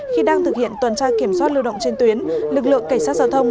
khi đang thực hiện tuần tra kiểm soát lưu động trên tuyến lực lượng cảnh sát giao thông